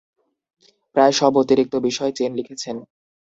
প্রায় সব অতিরিক্ত বিষয় চেন লিখেছেন।